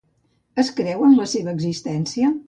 Es creu en la seva existència?